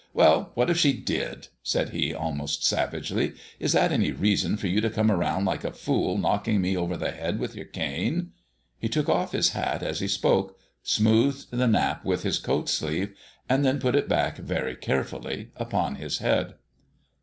"Well, what if she did?" said he, almost savagely. "Is that any reason for you to come around, like a fool, knocking me over the head with your cane?" He took off his hat as he spoke, smoothed the nap with his coat sleeve, and then put it back very carefully upon his head.